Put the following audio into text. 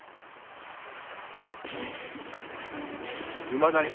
馬なりだ。